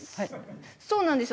そうなんですよ。